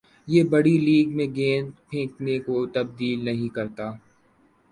یہ بڑِی لیگ میں گیند پھینکنے کو تبدیل نہیں کرتا